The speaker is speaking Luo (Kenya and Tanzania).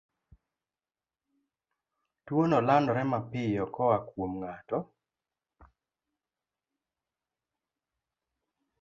Tuwono landore mapiyo koa kuom ng'ato